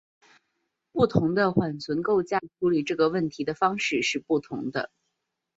不同的缓存架构处理这个问题的方式是不同的。